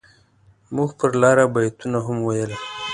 موږ پر لاره بيتونه هم ويل.